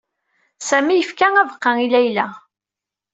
Sami yefka abeqqa i Layla.